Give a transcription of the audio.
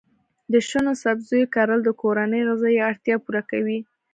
د شنو سبزیو کرل د کورنۍ غذایي اړتیا پوره کوي.